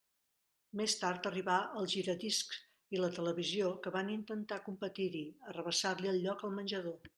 Més tard arribà el giradiscs i la televisió, que van intentar competir-hi, arrabassar-li el lloc al menjador.